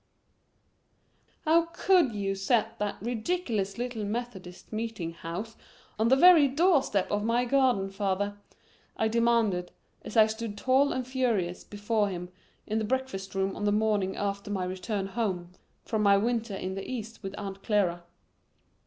"How could you set that ridiculous little Methodist meeting house on the very doorstep of my garden, father?" I demanded, as I stood tall and furious before him in the breakfast room on the morning after my return home from my winter in the East with Aunt Clara.